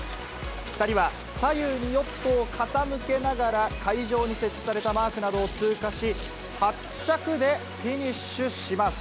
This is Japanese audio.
２人は左右にヨットを傾けながら、海上に設置されたマークなどを通過し、８着でフィニッシュします。